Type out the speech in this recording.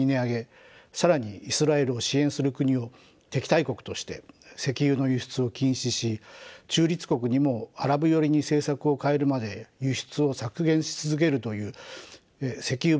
更にイスラエルを支援する国を敵対国として石油の輸出を禁止し中立国にもアラブ寄りに政策を変えるまで輸出を削減し続けるという石油武器戦略を発動しました。